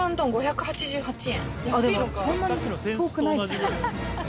そんなに遠くないですもんね。